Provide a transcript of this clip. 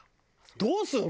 どうする？